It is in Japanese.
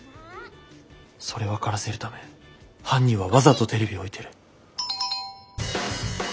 それ分からせるため犯人はわざとテレビを置いてる。